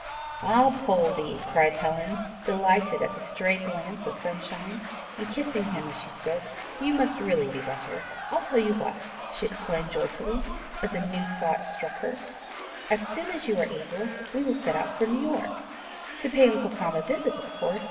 "Ah, Poldie!" cried Helen, delighted at the stray glance of sunshine, and kissing him as she spoke, "you must really be better! I'll tell you what!" she exclaimed joyfully, as a new thought struck her: "As soon as you are able, we will set out for New York to pay Uncle Tom a visit of course!